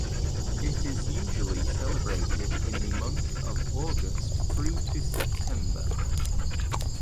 It is usually celebrated in the month of August through to September.